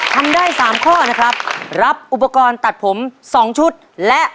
ทำได้สามข้อนะครับรับอุปกรณ์ตัดผม๒ชุดและ